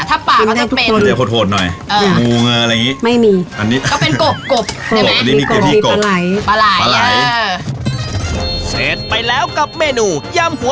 อ่าถ้าป่าวเขาจะเป็นเฦี๋ยวโหดโหดหน่อย